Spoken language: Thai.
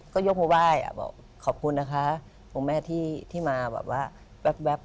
ก็โยกมาว่าย